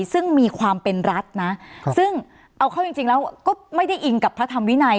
ซึ่งมีความเป็นรัฐนะซึ่งเอาเข้าจริงแล้วก็ไม่ได้อิงกับพระธรรมวินัย